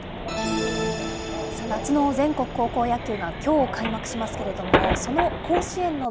夏の全国高校野球がきょう開幕しますけれども、その甲子園の